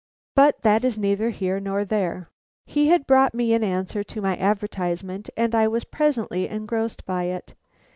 But that is neither here nor there. He had brought me an answer to my advertisement and I was presently engrossed by it.